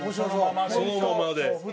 そのままで。